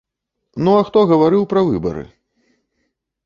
Ну, а хто гаварыў пра выбары?